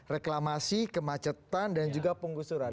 reklamasi kemacetan dan juga penggusuran